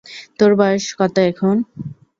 তোর বয়স কত এখন?